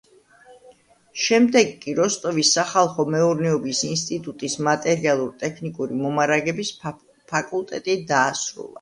შემდეგ კი, როსტოვის სახალხო მეურნეობის ინსტიტუტის მატერიალურ-ტექნიკური მომარაგების ფაკულტეტი დაასრულა.